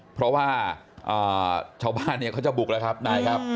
เพราะว่าชาวบ้านเนี่ยเขาจะบุกแล้วครับนายครับ